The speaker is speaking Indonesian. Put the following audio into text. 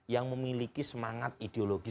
yang memiliki semangat ideologi